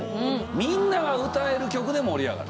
みんなが歌える曲で盛り上がる。